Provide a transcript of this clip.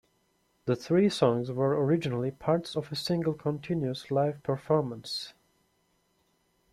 The three songs were originally parts of a single continuous live performance.